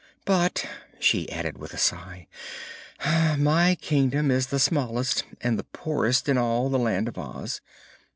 "But," she added with a sigh, "my kingdom is the smallest and the poorest in all the Land of Oz."